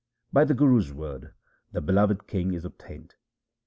By the Guru's word the beloved King is obtained.